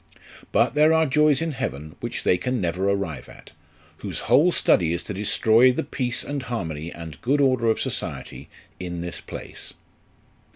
But there are joys in heaven which they can never arrive at, whose whole study is to destroy the peace and harmony and good order of society in this place."